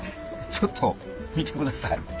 ちょっと見てください。